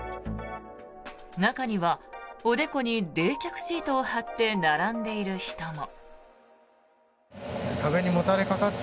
中にはおでこに冷却シートを貼って並んでいる人も。